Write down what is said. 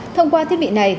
thông qua thiết bị này